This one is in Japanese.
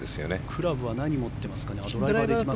クラブは何を持っていますかね。